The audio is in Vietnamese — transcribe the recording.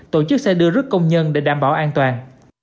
tổ chức xe đưa rước công nhân để đảm bảo an toàn